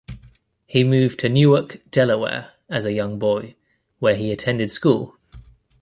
He moved to Newark, Delaware as a young boy, where he attended school.